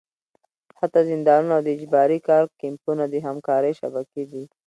حتی زندانونه او د اجباري کار کمپونه د همکارۍ شبکې دي.